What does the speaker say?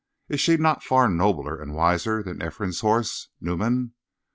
Is she not far nobler and wiser than Ephraim's horse, Numan?'